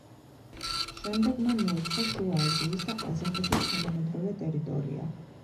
შემდეგ მან მოიცვა შუა აზიის და ყაზახეთის თანამედროვე ტერიტორია.